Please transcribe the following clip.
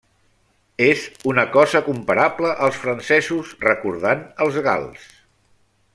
És una cosa comparable als francesos recordant els gals.